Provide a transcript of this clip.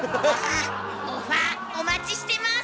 オファーお待ちしてます！